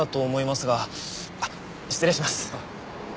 あっ失礼します。